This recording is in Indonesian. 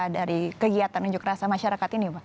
dari kegiatan unjuk rasa masyarakat ini pak